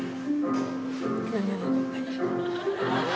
何？